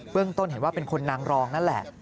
ต้นเห็นว่าเป็นคนนางรองนั่นแหละ